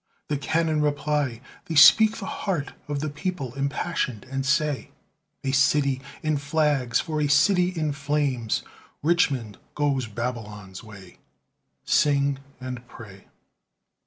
The cannon reply; they speak the heart Of the People impassioned, and say A city in flags for a city in flames, Richmond goes Babylon's way Sing and pray.